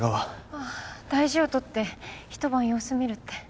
ああ大事を取ってひと晩様子見るって。